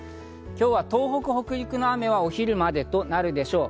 今日は東北、北陸の雨はお昼までとなるでしょう。